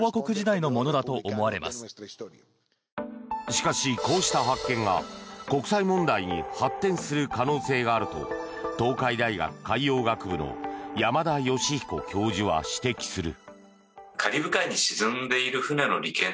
しかし、こうした発見が国際問題に発展する可能性があると東海大学海洋学部の山田吉彦教授は指摘する。